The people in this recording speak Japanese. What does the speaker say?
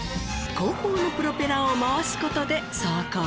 後方のプロペラを回す事で走行。